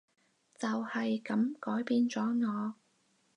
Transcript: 就係噉改變咗我